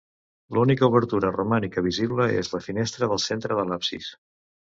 L'única obertura romànica visible és la finestra del centre de l'absis.